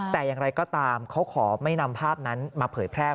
แต่อย่างไรก็ตามเขาขอไม่นำภาพนั้นมาเผยแพร่